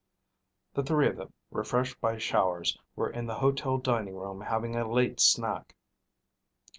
The three of them, refreshed by showers, were in the hotel dining room having a late snack.